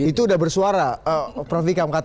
itu sudah bersuara prof vikam kata